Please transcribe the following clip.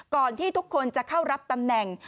ที่ทุกคนจะเข้ารับตำแหน่ง